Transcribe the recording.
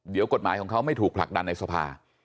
เดี๋ยวกฎหมายของเขาไม่ถูกผลักดันในสภา